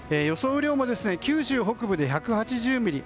雨量も九州北部で１８０ミリ。